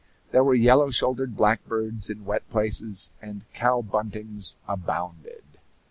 There were yellow shouldered blackbirds in wet places, and cow buntings abounded.